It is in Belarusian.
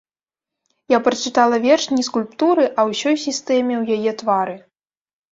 Я прачытала верш не скульптуры, а ўсёй сістэме у яе твары.